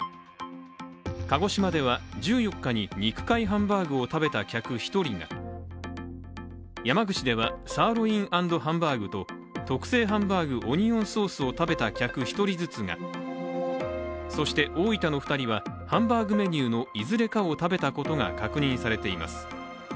鹿児島では１４日に肉塊ハンバーグを食べた客１人が、山口では、サーロイン＆ハンバーグと特製ハンバーグオニオンソースを食べた客１人ずつが、そして大分の２人はハンバーグメニューのいずれかを食べたことが確認されています。